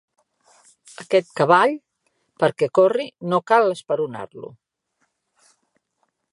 Aquest cavall, perquè corri, no cal esperonar-lo.